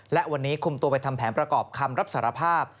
และวันนี้คุมตัวไปทำแผนประกอบคำรับสารภาพ